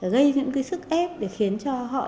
gây những cái sức ép để khiến cho họ